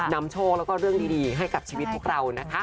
นำโชคแล้วก็เรื่องดีให้กับชีวิตพวกเรานะคะ